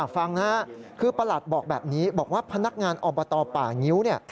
ฟังนะคือประหลัดบอกแบบนี้บอกว่าพนักงานอบตป่างิ้ว